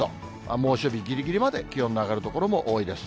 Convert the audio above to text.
猛暑日ぎりぎりまで気温の上がる所も多いです。